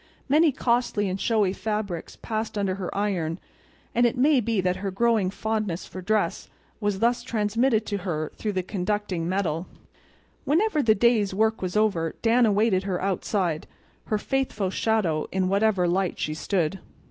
Many costly and showy fabrics passed under her iron; and it may be that her growing fondness for dress was thus transmitted to her through the conducting metal. When the day's work was over Dan awaited her outside, her faithful shadow in whatever light she stood.